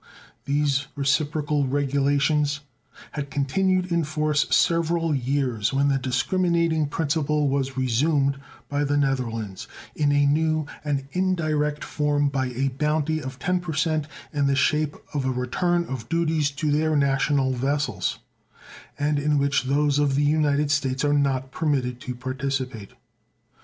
These reciprocal regulations had continued in force several years when the discriminating principle was resumed by the Netherlands in a new and indirect form by a bounty of 10% in the shape of a return of duties to their national vessels, and in which those of the United States are not permitted to participate.